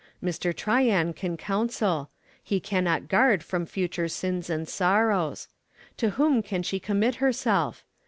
Mr. Tryan can counsel; he cannot guard from future sins and sorrows! To whom can she commit herself?